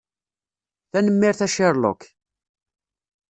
Tanemmirt a Sherlock.